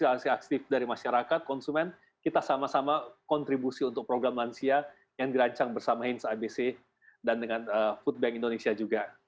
pasti partisipasi aktif dari masyarakat konsumen kita sama sama kontribusi untuk program lansia yang dirancang bersama hinss abc dan dengan foodbank indonesia juga